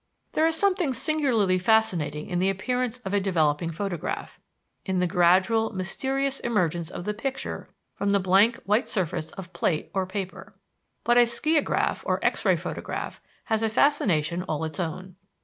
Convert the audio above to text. There is something singularly fascinating in the appearance of a developing photograph; in the gradual, mysterious emergence of the picture from the blank, white surface of plate or paper. But a skiagraph, or X ray photograph, has a fascination all its own.